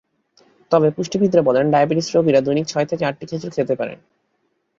তবে পুষ্টিবিদরা বলেন, ডায়াবেটিস রোগীরা দৈনিক ছয় থেকে আটটি খেজুর খেতে পারেন।